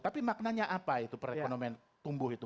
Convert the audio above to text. tapi maknanya apa itu perekonomian tumbuh itu